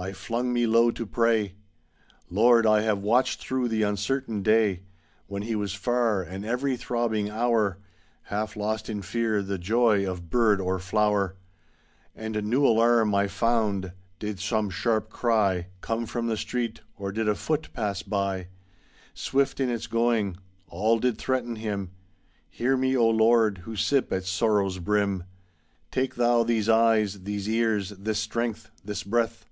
I flung me low to pray. ^Tiord, I have watched through the uncertain day When he was far, and ev'ry throbbing hour. Half lost in fear the joy of bird or flower. And new alarm I found did some sharp cry THE SAD YEARS THE TWO PRAYERS {Continued) Come from the street, or did a foot pass by Swift in its going. All did threaten him. Hear me, O Lord, who sip at sorrow's brim. Take thou these eyes, these ears, this strength, this breath.